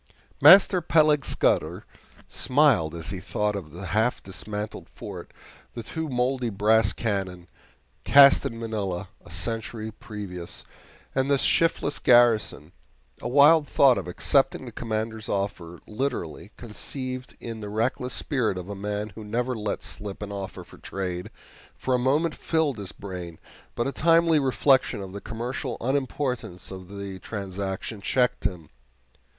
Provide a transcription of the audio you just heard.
Master Peleg Scudder smiled as he thought of the half dismantled fort, the two moldy brass cannon, cast in Manila a century previous, and the shiftless garrison. A wild thought of accepting the Commander's offer literally, conceived in the reckless spirit of a man who never let slip an offer for trade, for a moment filled his brain, but a timely reflection of the commercial unimportance of the transaction checked him.